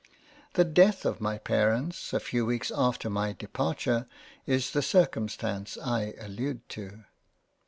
The death of my Parents a few weeks after my Departure, is the circumstance I allude to.